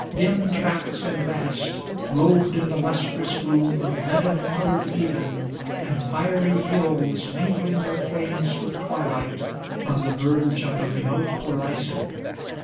Dim tracts and vast, robed in the lustrous gloom Of leaden colored even, and fiery hills Mingling their flames with twilight, on the verge Of the remote horizon.